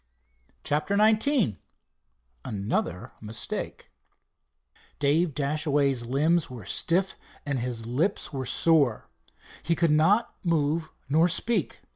CHAPTER XIX ANOTHER MISTAKE Dave Dashaway's limbs were stiff and his lips were sore. He could not move nor speak.